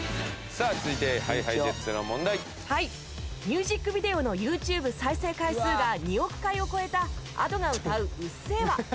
ミュージックビデオのＹｏｕＴｕｂｅ再生回数が２億回を超えたＡｄｏが歌う『うっせぇわ』。